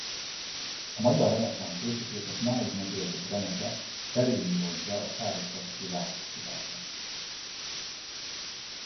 A magyar reneszánsz építészet máig megőrzött remeke a Perényi-loggia a sárospataki Rákóczi-várban.